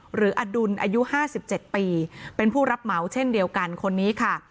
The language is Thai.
หรืออดุลอายุห้าสิบเจ็ดปีเป็นผู้รับเหมาเช่นเดียวกันคนนี้ค่ะ